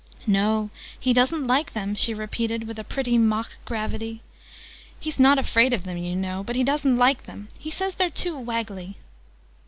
"No, he doesn't like them," she repeated with a pretty mock gravity. "He's not afraid of them, you know. But he doesn't like them. He says they're too waggly!"